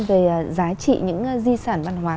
về giá trị những di sản văn hóa